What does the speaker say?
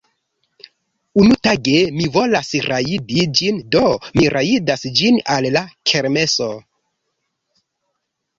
Unutage mi volas rajdi ĝin, Do mi rajdas ĝin al la kermeso